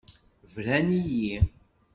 Bran-iyi.